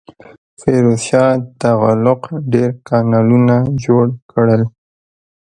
فیروز شاه تغلق ډیر کانالونه جوړ کړل.